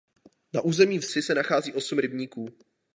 Na území vsi se nachází osm rybníků.